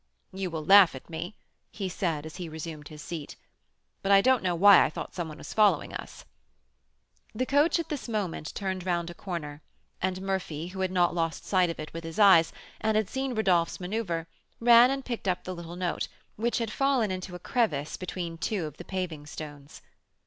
"You will laugh at me," he said, as he resumed his seat, "but I don't know why I thought some one was following us." The coach at this moment turned round a corner, and Murphy, who had not lost sight of it with his eyes, and had seen Rodolph's manoeuvre, ran and picked up the little note, which had fallen into a crevice between two of the paving stones.